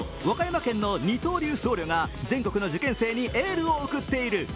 和歌山県の二刀流僧侶が全国の受験生にエールを送っている。